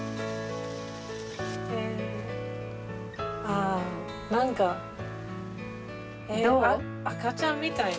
あ何か赤ちゃんみたいな。